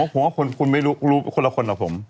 ผมว่าคุณรู้คนละคนเหรอผม